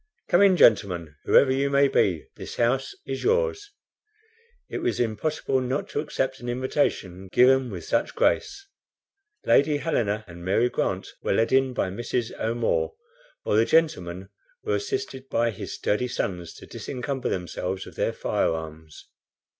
Come in, gentlemen, whoever you may be, this house is yours." It was impossible not to accept an invitation given with such grace. Lady Helena and Mary Grant were led in by Mrs. O'Moore, while the gentlemen were assisted by his sturdy sons to disencumber themselves of their fire arms.